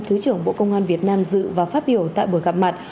thứ trưởng bộ công an việt nam dự và phát biểu tại buổi gặp mặt